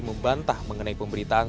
membantah mengenai pemberitaan